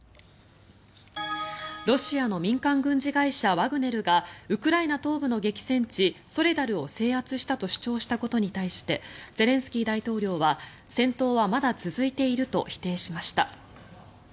ロシアの民間軍事会社ワグネルがウクライナ東部の激戦地ソレダルを制圧したと主張したことに対してゼレンスキー大統領は戦闘はまだ続いていると否定しました。